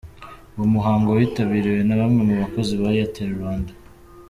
Uwo muhango witabiriwe na bamwe mu bakozi ba Airtel Rwanda.